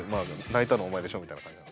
「泣いたのお前でしょ」みたいな感じです。